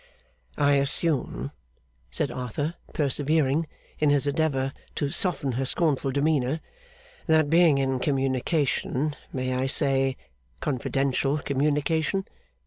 'I assume,' said Arthur, persevering, in his endeavour to soften her scornful demeanour, 'that being in communication may I say, confidential communication?